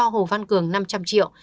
tôi sẽ cho hồ văn cường năm trăm linh triệu